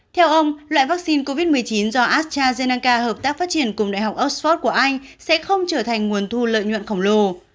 theo ông loại vaccine covid một mươi chín do astrazeneca hợp tác phát triển cùng đại học oxford của anh sẽ không trở thành nguồn thu lợi nhuận khổng lồ